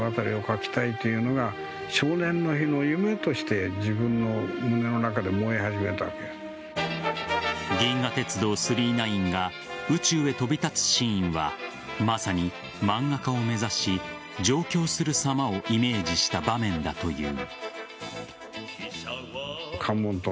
松本零士の宇宙への原点は「大宇宙の旅」「銀河鉄道９９９」が宇宙へ飛び立つシーンはまさに漫画家を目指し上京するさまをイメージした場面だという。